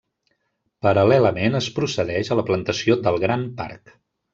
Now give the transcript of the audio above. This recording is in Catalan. Paral·lelament es procedeix a la plantació del gran parc.